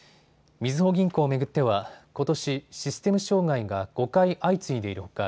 みずほ銀行を巡ってはことしシステム障害が５回相次いでいるほか